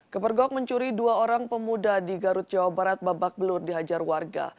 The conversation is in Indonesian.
kepergok mencuri dua orang pemuda di garut jawa barat babak belur dihajar warga